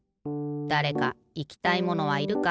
だれかいきたいものはいるか？